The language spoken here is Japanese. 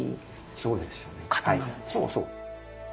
そうそう。